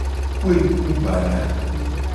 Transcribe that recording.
Ku eku bada.